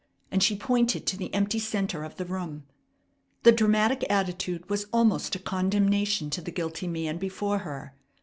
and she pointed to the empty centre of the room. The dramatic attitude was almost a condemnation to the guilty man before her.